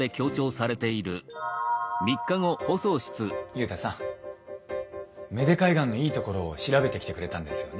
ユウタさん芽出海岸のいいところを調べてきてくれたんですよね。